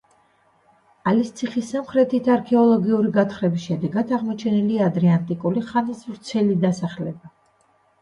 ალის ციხის სამხრეთით არქეოლოგიური გათხრების შედეგად აღმოჩენილია ადრეანტიკური ხანის ვრცელი დასახლება.